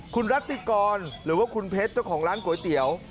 คุณรัติกรหรือว่าคุณเพชรเจ้าของร้านก๋วยเตี๋ยว